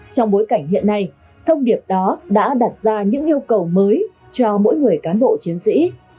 trong bối cảnh hiện nay thông điệp đó đã đặt ra những yêu cầu mới cho mỗi người cán bộ chiến sĩ